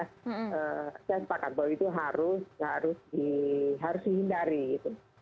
saya sepakat bahwa itu harus dihindari gitu